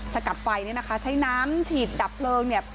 สกัดไฟเนี่ยนะคะใช้น้ำฉีดดับเพลิงเนี่ย